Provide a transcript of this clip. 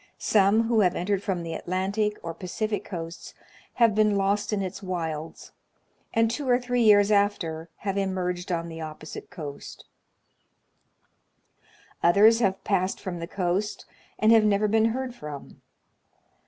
Some who have entered from the Atlantic or Pacific coasts have been lost in its wilds, and two or three years after have emerged on the opposite coast ; others have passed from the coast, and have never been heard from.